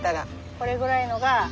これぐらいのが。